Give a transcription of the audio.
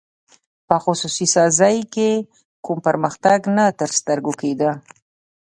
په خصوصي سازۍ کې کوم پرمختګ نه تر سترګو کېده.